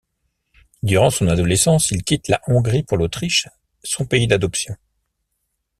Durant son adolescence, il quitte la Hongrie pour l’Autriche, son pays d’adoption.